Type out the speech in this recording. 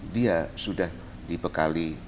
dia sudah dibekali